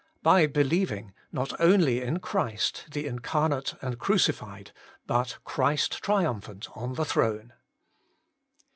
By believing, not only in Christ, the Incarnate and Crucified, but Christ triumphant on the throne.